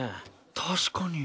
確かに。